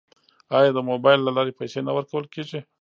آیا د موبایل له لارې پیسې نه ورکول کیږي؟